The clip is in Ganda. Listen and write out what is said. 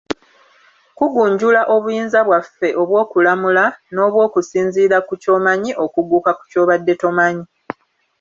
Kugunjula obuyinza bwaffe obw'okulamula, n'obw'okusinziira ku ky'omanyi okugguka ku ky'obadde tomanyi.